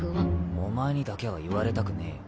お前にだけは言われたくねえよ。